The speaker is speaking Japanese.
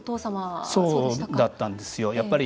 そうだったんですよ。